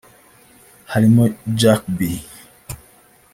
harimo Jack B